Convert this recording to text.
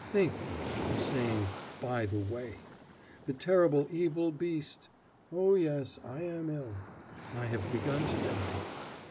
Think, though, of saying, "by the way?" the terrible, evil beast. Oh, yes, I am ill. I have begun to die.